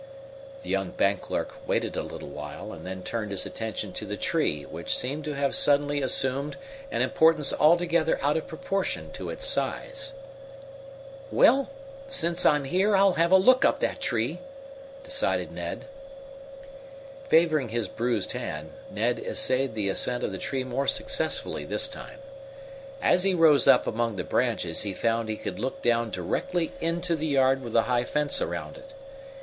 The young bank clerk waited a little while, and then turned his attention to the tree which seemed to have suddenly assumed an importance altogether out of proportion to its size. "Well, since I'm here I'll have a look up that tree," decided Ned. Favoring his bruised hand, Ned essayed the ascent of the tree more successfully this time. As he rose up among the branches he found he could look down directly into the yard with the high fence about it.